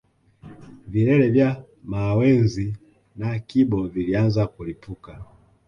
Vilele vya mawenzi na kibo vilianza kulipuka